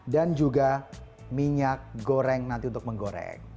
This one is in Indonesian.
dan juga minyak goreng nanti untuk menggoreng